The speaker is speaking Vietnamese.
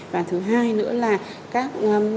và thứ hai nữa là các